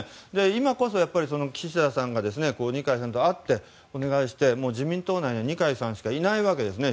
今こそ、岸田さんが二階さんと会ってお願いして、自民党内では二階さんしかいないわけですね。